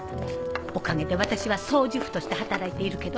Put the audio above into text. おかげで私は掃除婦として働いているけど。